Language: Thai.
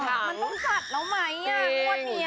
มันต้องจาดแล้วไหมทุกวันเนี้ย